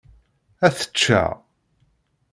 Ad t-ččeɣ.